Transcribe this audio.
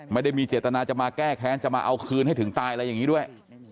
ไม่ได้มีเจตนาจะมาแก้แค้นจะมาเอาคืนให้ถึงตายอะไรอย่างนี้ด้วย